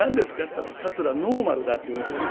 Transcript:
ったら桂ノーマルだっていうんですよね。